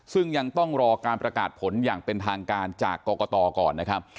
ซึ่งยังต้องรอการประกาศผลอย่างเป็นทางการจากกรกตก่อนนะครับ